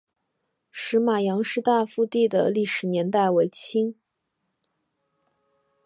石码杨氏大夫第的历史年代为清。